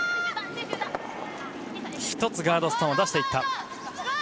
１つガードストーンを出していった。